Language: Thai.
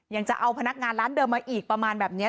ยังจะเอาพนักงานร้านเดิมมาอีกประมาณแบบนี้